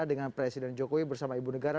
dengan presiden jokowi bersama ibu negara